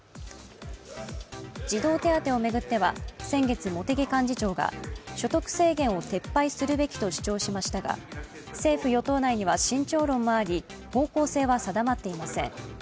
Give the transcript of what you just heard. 児童手当を巡っては、先月、茂木幹事長が所得制限を撤廃するべきと主張しましたが政府・与党内には慎重論もあり方向性は定まっていません。